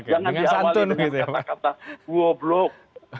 jangan diawali dengan kata kata goblok